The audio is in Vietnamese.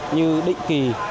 như định kỳ